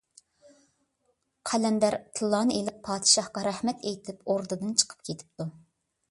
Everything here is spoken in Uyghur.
قەلەندەر تىللانى ئېلىپ، پادىشاھقا رەھمەت ئېيتىپ ئوردىدىن چىقىپ كېتىپتۇ.